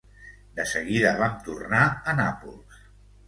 De seguida vam tornar a Nàpols.